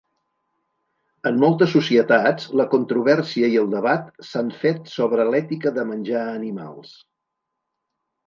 En moltes societats, la controvèrsia i el debat s'han fet sobre l'ètica de menjar animals.